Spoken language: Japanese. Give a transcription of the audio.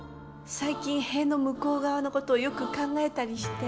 最近塀の向こう側のことをよく考えたりして。